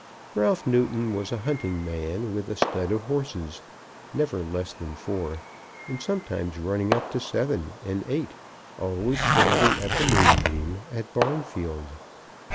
Ralph Newton was a hunting man, with a stud of horses, never less than four, and sometimes running up to seven and eight, always standing at the Moonbeam, at Barnfield.